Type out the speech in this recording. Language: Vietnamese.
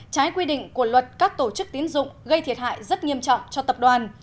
trái quy định của luật các tổ chức tiến dụng gây thiệt hại rất nghiêm trọng cho tập đoàn